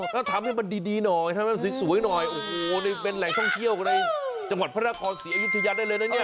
ก็ทำให้มันดีหน่อยสวยหน่อยอู๋ควรเป็นแหล่งท่องเที่ยวในจังหวัดพระนคร๔อิสระยะได้เลยนะไหน